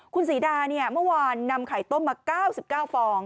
คุณศรีดาเนี่ยเมื่อวานนำไข่ต้มมา๙๙ฟอง